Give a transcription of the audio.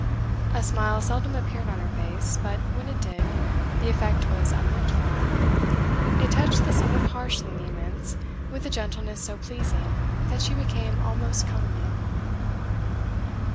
A smile seldom appeared on her face, but, when it did, the effect was unlooked for: it touched the somewhat harsh lineaments with a gentleness so pleasing that she became almost comely.